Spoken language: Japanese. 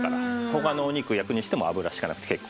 他のお肉焼くにしても油引かなくて結構です。